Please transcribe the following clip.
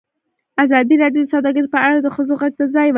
ازادي راډیو د سوداګري په اړه د ښځو غږ ته ځای ورکړی.